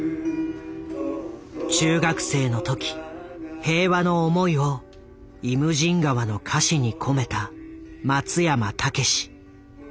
中学生の時平和の思いを「イムジン河」の歌詞に込めた松山猛。